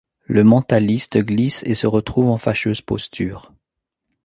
Le Mentaliste glisse et se retrouve en fâcheuse posture.